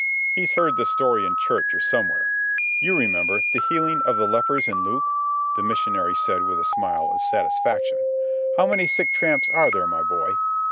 "He's heard the story in church or somewhere—you remember, the healing of the lepers in Luke," the missionary said with a smile of satisfaction. "How many sick tramps are there, my boy?"